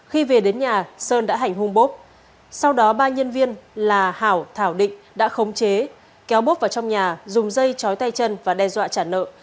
khi về đến nhà sơn đã hành hung bốp sau đó ba nhân viên là hảo thảo định đã khống chế kéo bốp vào trong nhà dùng dây chói tay chân và đe dọa trả nợ